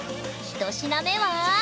一品目は！